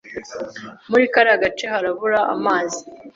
Muri kariya gace harabura amazi.